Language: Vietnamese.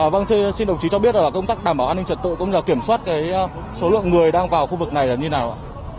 vâng thưa quý vị xin đồng chí cho biết là công tác đảm bảo an ninh trật tự cũng là kiểm soát số lượng người đang vào khu vực này là như nào ạ